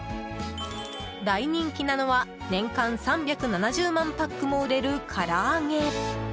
大人気なのは年間３７０万パックも売れるから揚げ。